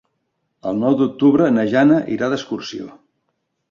El nou d'octubre na Jana irà d'excursió.